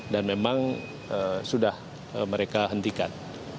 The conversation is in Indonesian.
dan memang sudah mereka hentikan